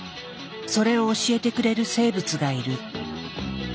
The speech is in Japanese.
それを教えてくれる生物がいる。